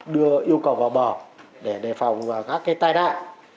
đưa yêu cầu vào bờ để đề phòng các cây tai đại